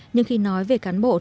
nhưng khi nói về cán bộ tại cơ sở